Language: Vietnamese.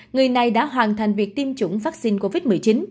người này đã hoàn thành việc tiêm chủng vaccine covid một mươi chín